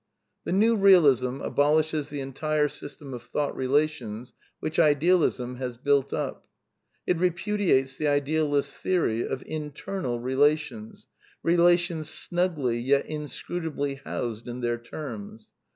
The New Eealism abolishes the entire system of thought relations which Idealism has built up. It repudiates the idealist's theory of " internal " relations, relations snugly, yet inscrutably housed in their "terms."